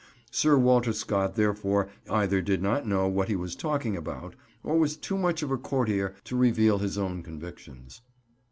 Sir Walter Scott therefore either did not know what he was talking about, or was too much of a courtier to reveal his own convictions.